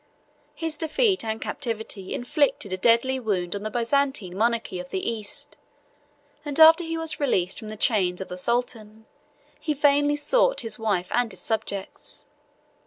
His defeat and captivity inflicted a deadly wound on the Byzantine monarchy of the East; and after he was released from the chains of the sultan, he vainly sought his wife and his subjects.